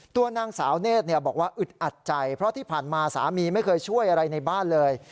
ตัวนางสาวเนธบอกว่าอึดอัดใจเพราะที่ผ่านมาสามีไม่เคยช่วยอะไรในบ้านเลย